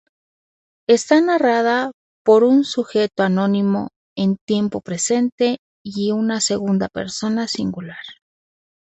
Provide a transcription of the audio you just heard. Está narrada por un sujeto anónimo, en tiempo presente y en segunda persona singular.